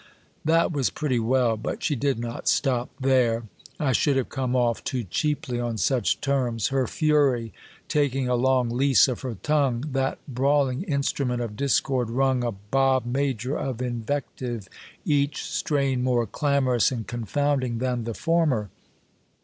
That was pretty well ; but she did not stop there : I should have come off too cheaply on such terms. Her fury taking a long lease of her tongue, that brawl ing instrument of discord rung a bob major of invective, each strain more clam orous and confounding than the former.